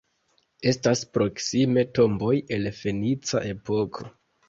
Estas proksime tomboj el fenica epoko.